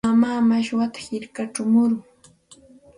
Mamaa mashwata hirkachaw murun.